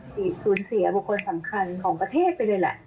สูญเสียบุคคลสำคัญของประเทศไปเลยแหละ